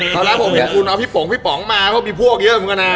ตอนนั้นผมเห็นคุณเอาพี่ป๋องพี่ป๋องมาเพราะมีพวกเยอะเหมือนกันนะ